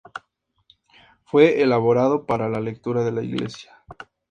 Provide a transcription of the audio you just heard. Fue elaborado para la lectura de la iglesia.